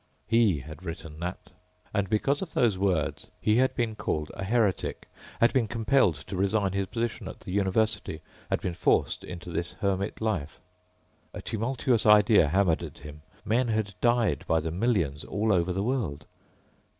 He had written that. And because of those words he had been called a heretic, had been compelled to resign his position at the university, had been forced into this hermit life. A tumultuous idea hammered at him. Men had died by the millions all over the world.